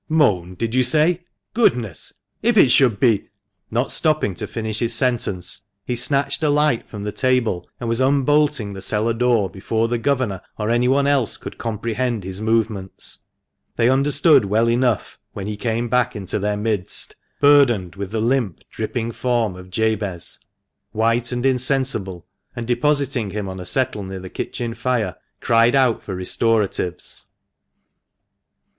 "Moaned, did you say? Goodness! If it should be " Not stopping to finish his sentence, he snatched a light from the table, and was unbolting the cellar door before the governor or anyone else could comprehend his movements. They understood well enough when he came back into their midst, burdened with the limp, dripping form of Jabez, white and insensible, and depositing him on a settle near the kitchen fire, cried out for restoratives.